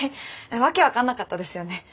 わけ分かんなかったですよね。